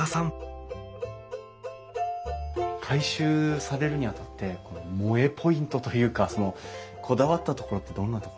改修されるにあたって萌えポイントというかこだわったところってどんなところなんですかね？